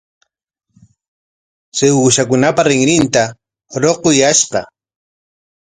Chay uushakunapa rinrinta ruquyashqa.